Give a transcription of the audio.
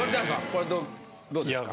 これどうですか？